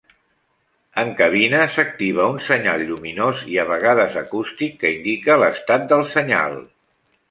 En cabina, s'activa un senyal lluminós i a vegades acústic que indica l'estat del senyal.